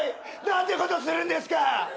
何てことするんですか！